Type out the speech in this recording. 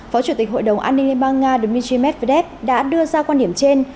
phó chủ tịch hội đồng an ninh liên bang nga dmitry medvedev đã đưa ra quan điểm trên